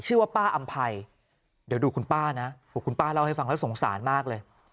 ชื่อว่าป้าอำภัยเดี๋ยวดูคุณป้านะคุณป้าเล่าให้ฟังแล้วสงสารมากเลย